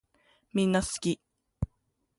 みんなすき